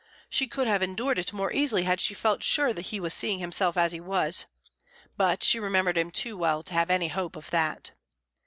She could have endured it more easily had she felt sure that he was seeing himself as he was; but she remembered him too well to have any hope of that.